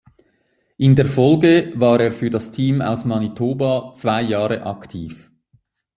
In der Folge war er für das Team aus Manitoba zwei Jahre aktiv.